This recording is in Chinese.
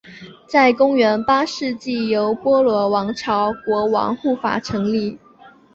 在公元八世纪由波罗王朝国王护法成立。